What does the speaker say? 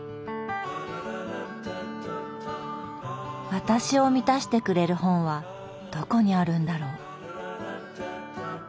私を満たしてくれる本はどこにあるんだろう。